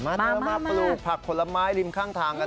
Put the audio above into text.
มาเพลิกผักผักผลไม้ริมข้างทางกันเถอะ